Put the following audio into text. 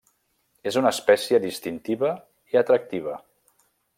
És una espècie distintiva i atractiva.